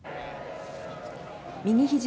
右ひじ